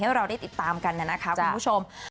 ให้เราได้ติดตามกันนะคะคุณผู้ชม